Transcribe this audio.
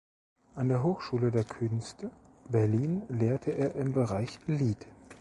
An der Hochschule der Künste Berlin lehrte er im Bereich "Lied".